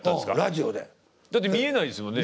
だって見えないですもんね。